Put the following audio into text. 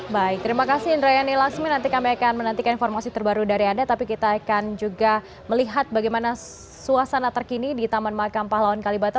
baik terima kasih indrayani laksmi nanti kami akan menantikan informasi terbaru dari anda tapi kita akan juga melihat bagaimana suasana terkini di taman makam pahlawan kalibata